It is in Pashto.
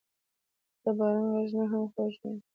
• ته د باران غږ نه هم خوږه یې.